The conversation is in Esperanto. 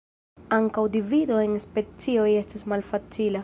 Ankaŭ divido en specioj estas malfacila.